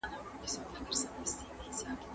سالم معافیت لرونکي خلک له میکروبونو مقابله کولی شي.